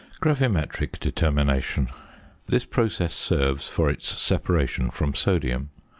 GRAVIMETRIC DETERMINATION. This process serves for its separation from sodium.